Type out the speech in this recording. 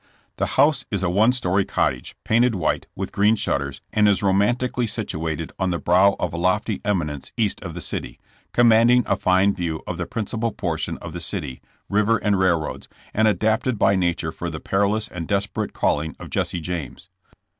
The house is a one story cottage, painted white, with green shutters, and is romantically situated on the brow of a lofty eminence east of the city, com manding a fine view of the principal portion of the city, river and railroads, and adapted by nature for the perilous and desperate calling of Jesse James.